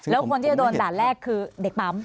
แล้วคนที่จะโดนด่านแรกคือเด็กปั๊ม